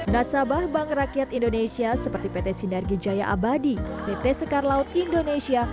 nasabah bank rakyat indonesia seperti pt sinergi jaya abadi pt sekar laut indonesia